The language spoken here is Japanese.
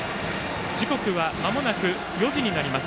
時刻はまもなく４時になります。